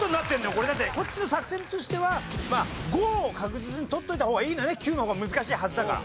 これだってこっちの作戦としては５を確実に取っといた方がいいんだね９の方が難しいはずだから。